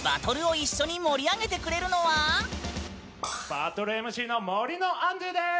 バトルＭＣの森のアンドゥーです。